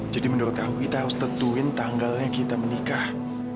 jadi menurut aku kita harus tentuin tanggalnya kita menikah